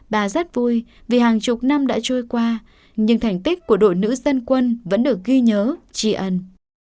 bà rất vui vì hàng chục năm đã trôi qua nhưng thành tích của đội nữ dân quân vẫn được ghi nhớ trì ân